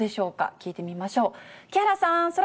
聞いてみましょう。